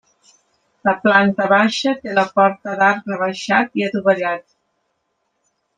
La planta baixa té la porta d'arc rebaixat i adovellat.